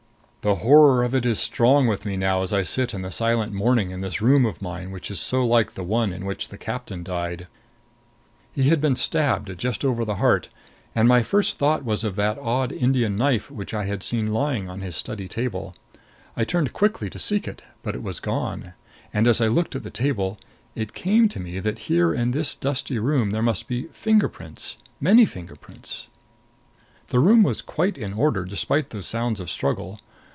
The horror of it is strong with me now as I sit in the silent morning in this room of mine which is so like the one in which the captain died. He had been stabbed just over the heart, and my first thought was of that odd Indian knife which I had seen lying on his study table. I turned quickly to seek it, but it was gone. And as I looked at the table it came to me that here in this dusty room there must be finger prints many finger prints. The room was quite in order, despite those sounds of struggle.